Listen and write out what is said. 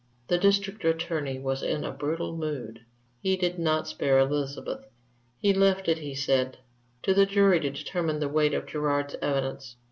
The District Attorney was in a brutal mood. He did not spare Elizabeth, he left it, he said, to the jury to determine the weight of Gerard's evidence.